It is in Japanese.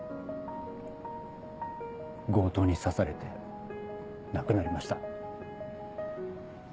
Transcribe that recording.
強盗に刺されて亡くなりました。